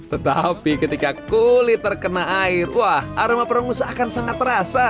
tetapi ketika kulit terkena air wah aroma perangus akan sangat terasa